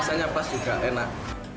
rasanya pas juga enak